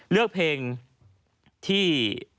เอ้อเรือเพลงที่